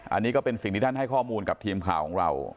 อันนี้ก็เป็นสิ่งที่ท่านให้ข้อมูลกับทีมข่าวของเรา